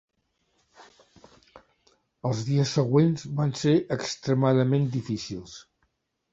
Els dies següents van ser extremament difícils.